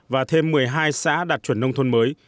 và thêm một mươi hai xã đạt chuẩn nông thôn mới